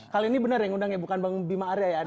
kali ini benar yang undang ya bukan bang bima arya ya